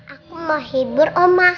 aku mau hibur oma